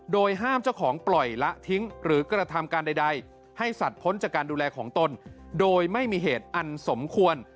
โดยห้ามเจ้าของปล่อยละทิ้งหรือกระทำการใดให้สัตว์พ้นจากการดูแลของตนโดยไม่มีเหตุอันสมควร